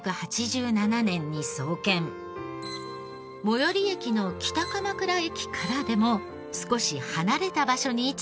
最寄り駅の北鎌倉駅からでも少し離れた場所に位置する神社です。